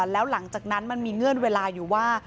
แล้วหลังจากนั้นมันมีเงื่อนเวลาอยู่ว่า